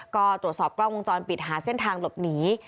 ก็ตรวจสอบกล้องวงจรปิดหาเส้นทางหลบหนี